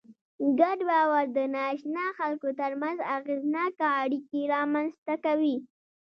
ګډ باور د ناآشنا خلکو تر منځ اغېزناکه اړیکې رامنځ ته کوي.